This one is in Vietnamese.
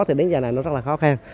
thì đến giờ này nó rất là khó khăn